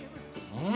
うん！